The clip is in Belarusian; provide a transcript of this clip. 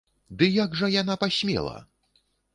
Ды як жа яна пасмела?!